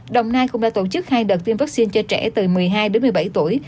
đồng nai cũng đã tổ chức hai đợt tiêm vaccine cho trẻ từ một mươi hai đến một mươi bảy tuổi